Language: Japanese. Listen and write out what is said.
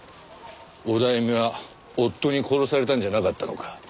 オダエミは夫に殺されたんじゃなかったのか？